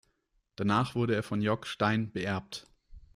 Danach wurde er von Jock Stein beerbt.